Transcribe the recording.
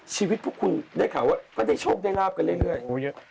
ชีวิตพวกคุณได้ข่าวว่าก็ได้โชคได้ราบกันเรื่อย